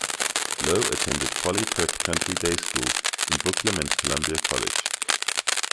Low attended Poly Prep Country Day School in Brooklyn and Columbia College.